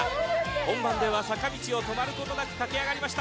本番では坂道を止まることなく駆け上がりました。